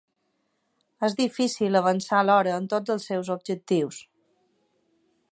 És difícil avançar alhora en tots els seus objectius.